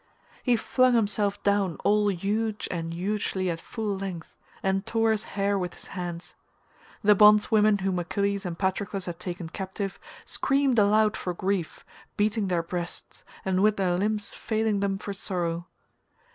He flung himself down all huge and hugely at full length, and tore his hair with his hands. The bondswomen whom Achilles and Patroclus had taken captive screamed aloud for grief, beating their breasts, and with their limbs failing them for sorrow.